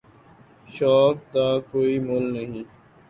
شوق دا کوئ مُل نہیں۔